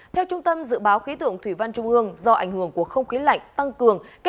theo trung tâm dự báo khí tượng thủy văn trung ương do ảnh hưởng của không khí lạnh tăng cường